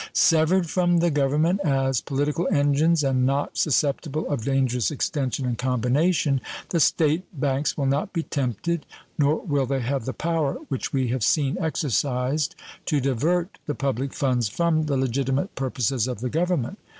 Severed from the Government as political engines, and not susceptible of dangerous extension and combination, the State banks will not be tempted, nor will they have the power, which we have seen exercised, to divert the public funds from the legitimate purposes of the Government.